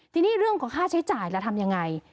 ทีนี้เรื่องของค่าใช้จ่ายแล้วทำยังไง